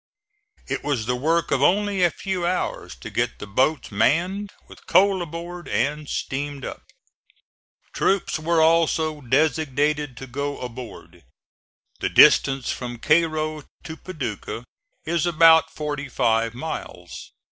It was the work of only a few hours to get the boats manned, with coal aboard and steam up. Troops were also designated to go aboard. The distance from Cairo to Paducah is about forty five miles.